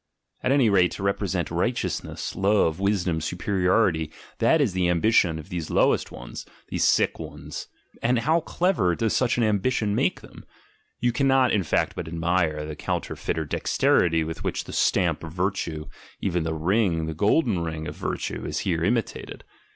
At any rate to represent righteousness, love, wisdom, superiority, that is the ambition of these "low est ones," these sick ones! And how clever does such an ambition make them! You cannot, in fact, but admire the counterfeiter dexterity with which the stamp of virtue, even the ring, the golden ring of virtue, is here imitated.